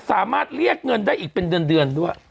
สามารถเรียกเงินได้อีกเป็นเดือนด้วย